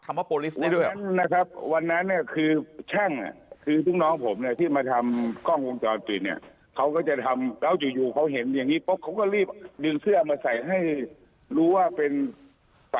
ธรรมพอลิศไม่นะครับวันนั้นเนี้ยคือช่างอยู่ตรงน้องผมนะด้วยมาทำกล้องกล้องจอดเตียง